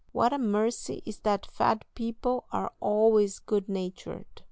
What a mercy it is that fat people are always good natured!